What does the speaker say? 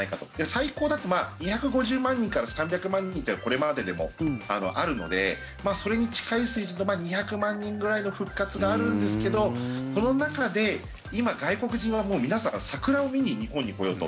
最高だと、２５０万人から３００万人というのはこれまででもあるのでそれに近い水準の２００万人くらいの復活があるんですけどその中で今、外国人は皆さん桜を見に日本に来ようと。